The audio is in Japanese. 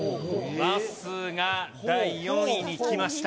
まっすーが第４位にきました。